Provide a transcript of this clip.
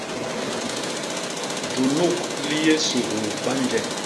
Junuk li yé suguu ba nje.